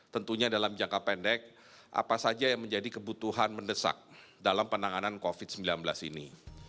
tentunya dalam jangka pendek apa saja yang menjadi kebutuhan mendesak dalam penanganan covid sembilan belas ini